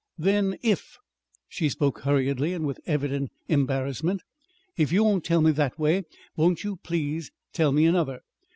"Then, if" she spoke hurriedly, and with evident embarrassment "if you won't tell me that way, won't you please tell me another?